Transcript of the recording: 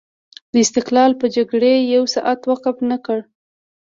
د استقلال په جګړې یو ساعت وقف نه کړ.